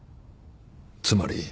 つまり。